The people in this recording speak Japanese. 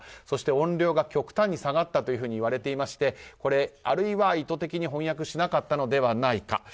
そして音量が極端に下がったといわれていましてあるいは意図的に翻訳しなかったのではないか。